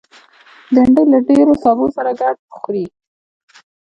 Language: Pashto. بېنډۍ له ډېرو سبو سره ګډ خوري